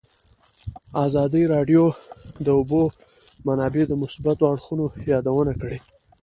ازادي راډیو د د اوبو منابع د مثبتو اړخونو یادونه کړې.